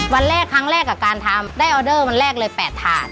วันแรกครั้งแรกกับการทำได้ออเดอร์วันแรกเลย๘ถาด